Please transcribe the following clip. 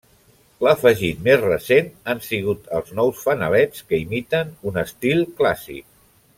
L'afegit més recent han sigut els nous fanalets, que imiten un estil clàssic.